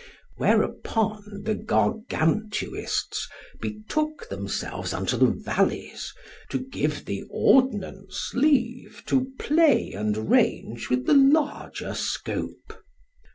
Whereupon the Gargantuists betook themselves unto the valleys, to give the ordnance leave to play and range with the larger scope.